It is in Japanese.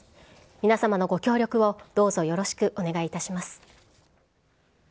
皆様のご協力を、どうぞよろしくお願いいたします。